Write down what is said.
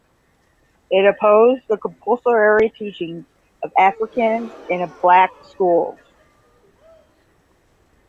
It opposed the compulsory teaching of Afrikaans in black schools.